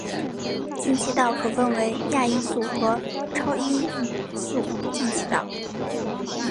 进气道可分为亚音速和超音速进气道。